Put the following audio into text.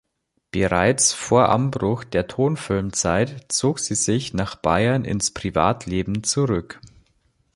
Bereits vor Anbruch der Tonfilmzeit zog sie sich nach Bayern ins Privatleben zurück.